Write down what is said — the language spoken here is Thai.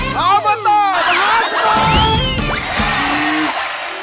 พร้อมมาต่อประหลาดสมอง